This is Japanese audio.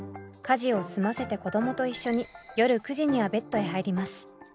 家事を済ませて子供と一緒に夜９時にはベッドへ入ります。